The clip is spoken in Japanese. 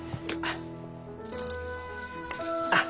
あっ。